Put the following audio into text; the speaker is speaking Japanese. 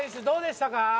どうでしたか？